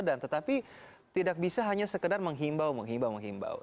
dan tetapi tidak bisa hanya sekedar menghimbau menghimbau menghimbau